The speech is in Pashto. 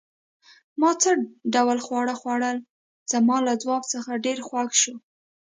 ما څه ډول خواړه خوړل؟ زما له ځواب څخه ډېر خوښ شو.